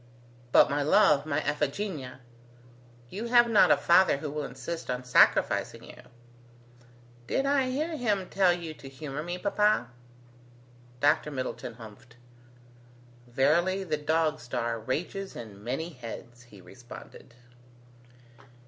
But, my love, my Iphigenia, you have not a father who will insist on sacrificing you." "Did I hear him tell you to humour me, papa?" Dr Middleton humphed. "Verily the dog star rages in many heads," he responded.